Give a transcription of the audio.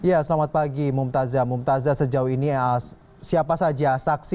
ya selamat pagi mumtazah mumtazah sejauh ini siapa saja saksi